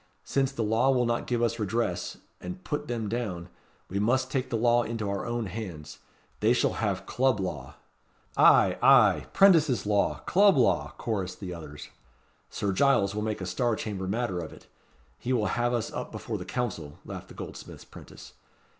Since the law will not give us redress, and put them down, we must take the law into our own hands. They shall have Club Law." "Ay, ay 'Prentices' law Club law!" chorussed the others. "Sir Giles will make a Star Chamber matter of it. He will have us up before the Council," laughed the goldsmith's 'prentice.